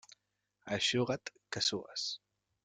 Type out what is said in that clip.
Eixuga't, que sues.